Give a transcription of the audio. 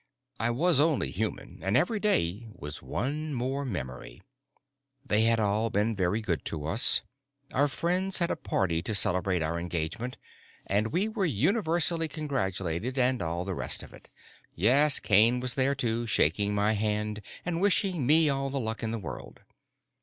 I was only human, and every day was one more memory. They had all been very good to us; our friends had a party to celebrate our engagement and we were universally congratulated and all the rest of it. Yes, Kane was there too, shaking my hand and wishing me all the luck in the world.